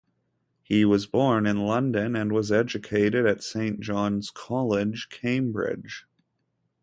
He was born in London, and was educated at Saint Johns College, Cambridge.